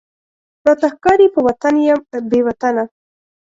راته ښکاری په وطن یم بې وطنه،